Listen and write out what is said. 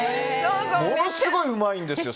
ものすごいうまいんですよ。